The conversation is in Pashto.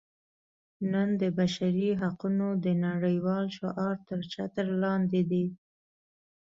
نن د بشري حقونو د نړیوال شعار تر چتر لاندې دي.